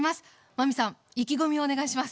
真海さん意気込みをお願いします。